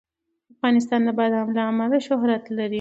افغانستان د بادام له امله شهرت لري.